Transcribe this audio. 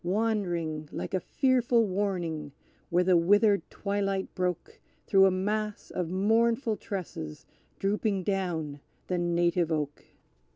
Wandering, like a fearful warning, where the withered twilight broke Through a mass of mournful tresses, drooping down the Native Oak.